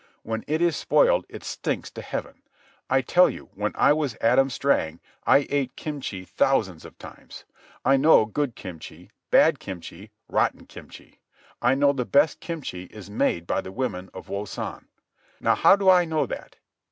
When it is spoiled it stinks to heaven. I tell you, when I was Adam Strang, I ate kimchi thousands of times. I know good kimchi, bad kimchi, rotten kimchi. I know the best kimchi is made by the women of Wosan. Now how do I know that?